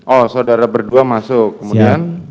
oh saudara berdua masuk kemudian